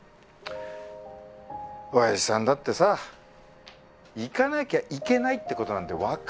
おやじさんだってさ行かなきゃいけないってことなんて分かってんのよ。